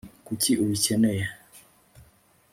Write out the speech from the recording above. kuki ubikeneye